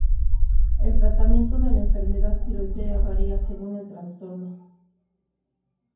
El tratamiento de la enfermedad tiroidea varía según el trastorno.